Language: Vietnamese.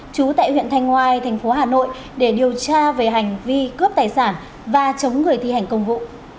trú tại huyện thành hoài tp hà nội để điều tra về hành vi cướp tài sản và chống người thi hành công vụ